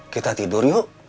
kita tidur yuk